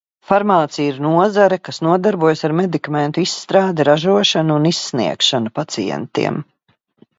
Farmācija ir nozare, kas nodarbojas ar medikamentu izstrādi, ražošanu un izsniegšanu pacientiem.